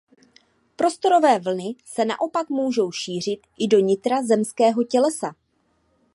Prostorové vlny se naopak můžou šířit i do nitra zemského tělesa.